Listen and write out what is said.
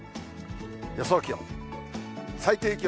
予想気温。